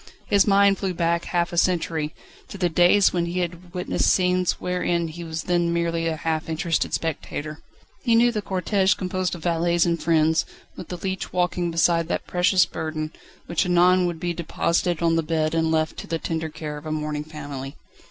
His mind flew back half a century, to the days when he had witnessed scenes wherein he was then merely a half interested spectator. He knew the cortège composed of valets and friends, with the leech walking beside that precious burden, which anon would be deposited on the bed and left to the tender care of a mourning family.